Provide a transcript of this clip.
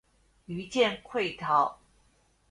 余舰溃逃。